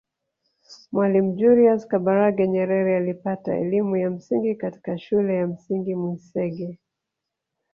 Mwalimu Julius Kambarage Nyerere alipata elimu ya msingi katika Shule ya Msingi Mwisenge